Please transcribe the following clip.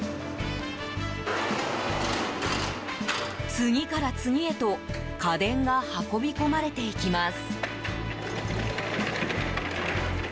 次から次へと家電が運び込まれていきます。